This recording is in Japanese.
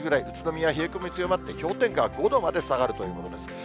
宇都宮、冷え込み強まって、氷点下５度まで下がるということです。